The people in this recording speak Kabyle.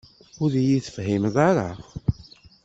Ur iyi-tefhimem ara.